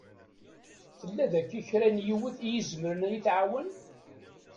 Tella daki kra n yiwet i izemren ad yi-tɛawen?